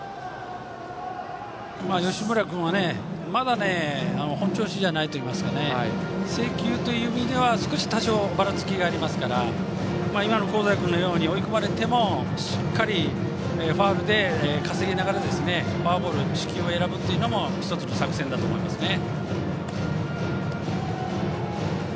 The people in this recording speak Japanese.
吉村君はまだ本調子ではないといいますか制球という意味では多少ばらつきがありますから今の香西君のように追い込まれてもしっかりとファウルで稼ぎながら四死球を選ぶというのも１つの作戦だと思いますね。